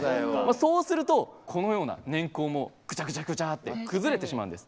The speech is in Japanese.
そうするとこのような年縞もグチャグチャグチャって崩れてしまうんです。